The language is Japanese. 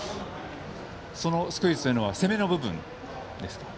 そのスクイズというのは攻めの部分ですか？